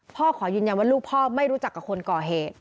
ขอยืนยันว่าลูกพ่อไม่รู้จักกับคนก่อเหตุ